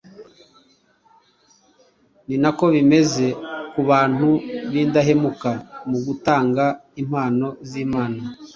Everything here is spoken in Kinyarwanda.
Ni nako bimeze ku bantu b’indahemuka mu gutanga impano z’Imana.